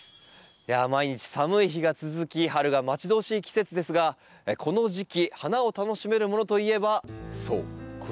いや毎日寒い日が続き春が待ち遠しい季節ですがこの時期花を楽しめるものといえばそうこちらのウメです。